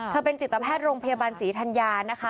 เป็นจิตแพทย์โรงพยาบาลศรีธัญญานะคะ